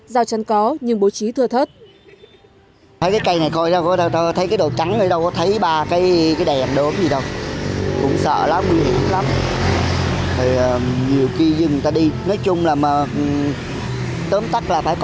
rào chắn có nhưng bố trí thừa thất